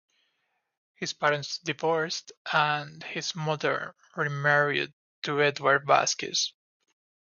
His parents divorced and his mother remarried to Edward Vasquez.